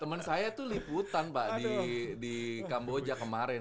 teman saya itu liputan pak di kamboja kemarin